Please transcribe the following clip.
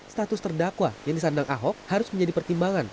status terdakwa yang disandang ahok harus menjadi pertimbangan